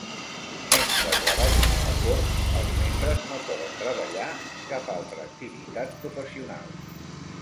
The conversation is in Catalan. Mentre treballin a la cort, els membres no poden treballar en cap altre activitat professional.